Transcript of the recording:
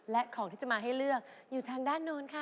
และของที่จะมาให้เลือกอยู่ทางด้านโน้นค่ะ